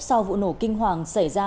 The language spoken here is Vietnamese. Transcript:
sau vụ nổ kinh hoàng xảy ra